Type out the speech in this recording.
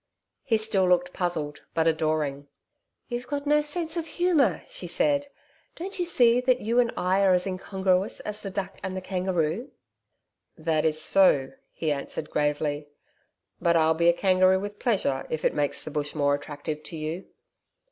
He still looked puzzled but adoring. 'You've got no sense of humour,' she said, 'Don't you see that you and I are as incongruous as the duck and the kangaroo?' 'That is so,' he answered gravely. 'But I'll be a kangaroo with pleasure if it makes the Bush more attractive to you.'